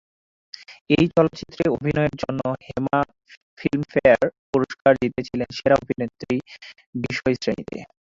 এই চলচ্চিত্রে অভিনয়ের জন্য হেমা ফিল্মফেয়ার পুরস্কার জিতেছিলেন সেরা অভিনেত্রী বিষয়শ্রেণীতে।